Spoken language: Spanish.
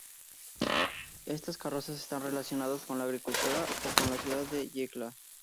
Estas carrozas están relacionadas con la agricultura o con la ciudad de Yecla.